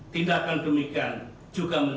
tindakan demikan juga menyebabkan